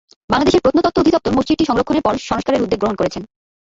বাংলাদেশের প্রত্নতত্ত্ব অধিদপ্তর মসজিদটি সংরক্ষণের পর সংস্কারের উদ্যোগ গ্রহণ করেছিল।